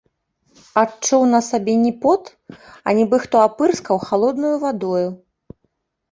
Адчуў на сабе не пот, а нібы хто апырскаў халоднаю вадою.